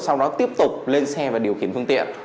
sau đó tiếp tục lên xe và điều khiển phương tiện